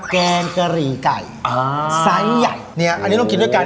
แกงกะหรี่ไก่อ่าไซส์ใหญ่เนี่ยอันนี้ต้องกินด้วยกัน